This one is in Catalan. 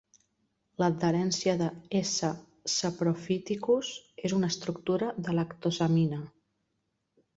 L'adherència de "S. sapropyhticus" és una estructura de lactosamina.